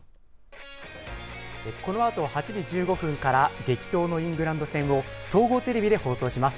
このあと８時１５分から、激闘のイングランド戦を総合テレビで放送します。